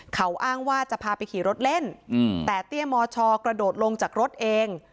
เขาอ้างว่าจะพาไปขี่รถเล่นแต่เตี้ยมชกระโดดลงจากรถเอง